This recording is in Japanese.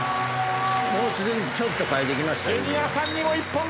もうすでにちょっと変えてきましたね。